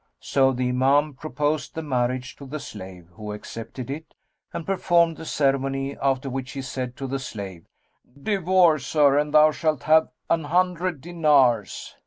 So the Imam proposed the marriage to the slave, who accepted it, and performed the ceremony; after which he said to the slave, "Divorce her, and thou shalt have an hundred dinars."